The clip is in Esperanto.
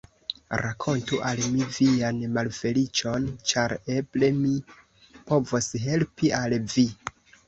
Rakontu al mi vian malfeliĉon, ĉar eble mi povos helpi al vi.